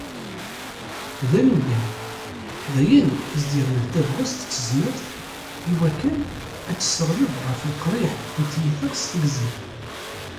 D anemgal, d ayen i as-d-yernan tabɣest d tezmert iwakken ad tesseɣleb ɣef leqriḥ n tiyita s tegzi.